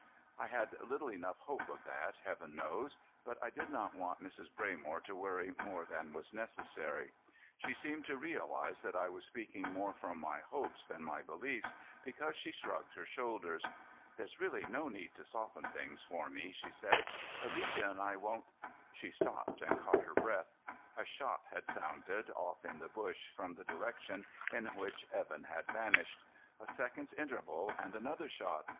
I had little enough hope of that, Heaven knows, but I did not want Mrs. Braymore to worry more than was necessary. She seemed to realize that I was speaking more from my hopes than my beliefs, because she shrugged her shoulders. "There's really no need to soften things for me," she said, "Alicia and I won't " She stopped and caught her breath. A shot had sounded, off in the bush from the direction in which Evan had vanished. A second's interval, and another shot.